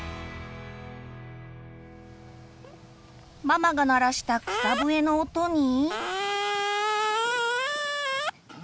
ママが鳴らした草笛の音に。